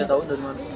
tahunya dari mana